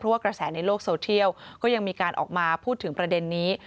ว่ากระแสในโลกโซเทียลก็ยังมีการออกมาพูดถึงประเด็นนี้